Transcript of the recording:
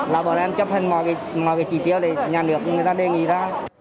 là bọn em chấp hành mọi cái chỉ tiêu để nhà nước người ta đề nghị ra